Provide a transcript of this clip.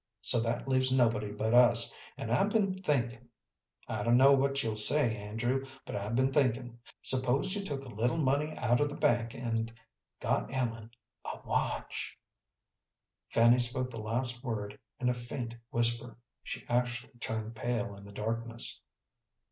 So that leaves nobody but us, and I've been thinkin' I dun'no' what you'll say, Andrew, but I've been thinkin' s'pose you took a little money out of the bank, and got Ellen a watch." Fanny spoke the last word in a faint whisper. She actually turned pale in the darkness.